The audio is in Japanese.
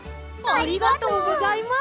ありがとうございます！